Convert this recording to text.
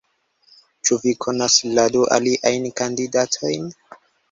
Ĉu vi konas la du aliajn kandidatojn?